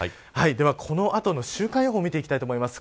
では、この後の週間予報を見ていきたいと思います。